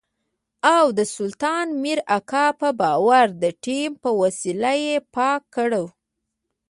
او د سلطان مير اکا په باور د تيمم په وسيله يې پاکه کړو.